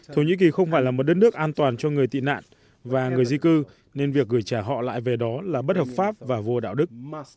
thổ nhĩ kỳ không phải là một đất nước an toàn cho người tị nạn và người di cư nên việc gửi trả họ lại về đó là bất hợp pháp và vô đạo đức